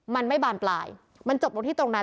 มันไม่บานปลายมันจบลงที่ตรงนั้น